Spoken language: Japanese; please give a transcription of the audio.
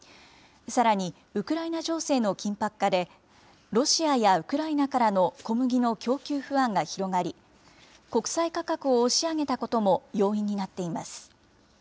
さらにウクライナ情勢の緊迫化で、ロシアやウクライナからの小麦の供給不安が広がり、国際価格を押し上げたことも要因になっています。